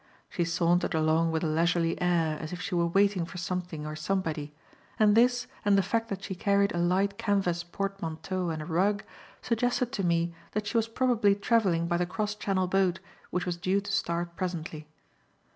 She sauntered along with a leisurely air as if she were waiting for something or somebody, and this and the fact that she carried a light canvas portmanteau and a rug, suggested to me that she was probably travelling by the cross channel boat which was due to start presently.